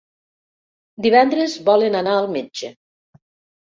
Divendres volen anar al metge.